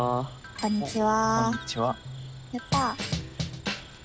こんにちは。